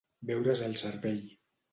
Beure's el cervell.